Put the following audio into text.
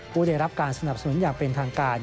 ผู้ได้รับการสนับสนุนอย่างเป็นทางการ